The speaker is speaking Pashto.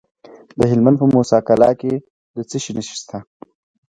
د هلمند په موسی قلعه کې د څه شي نښې دي؟